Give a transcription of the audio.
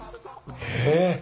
ええ！